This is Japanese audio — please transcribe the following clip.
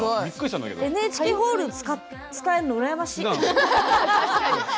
ＮＨＫホール使えるの、羨ましい。